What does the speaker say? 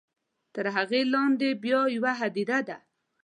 تر هغې لاندې بیا یوه هدیره ده.